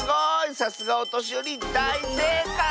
さすがおとしよりだいせいかい！